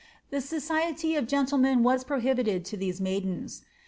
The society of gentlemen was prohibited to these maidens.'